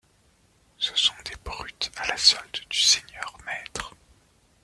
Ce sont des brutes à la solde du Seigneur Maître.